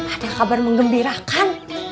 ada kabar menggembirakan